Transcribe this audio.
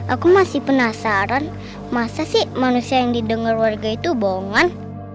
aku masih penasaran masa sih manusia yang didengar warga itu bohongan